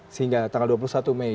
sehingga tanggal dua puluh satu mei